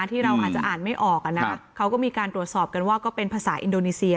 ที่เราอาจจะอ่านไม่ออกนะเขาก็มีการตรวจสอบกันว่าก็เป็นภาษาอินโดนีเซีย